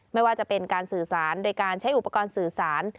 ไม่ว่าจะเป็นการสื่อสารโดยการใช้อุปกรณ์สื่อสาร